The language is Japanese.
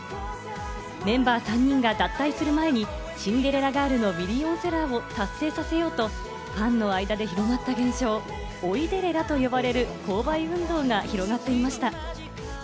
メンバー３人が脱退する前に『シンデレラガール』のミリオンセラーを達成させようと、ファンの間で広まった現象を「追いデレラ」と呼ばれる購買運動が広がっていました。